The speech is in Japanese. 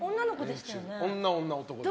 女、女、男です。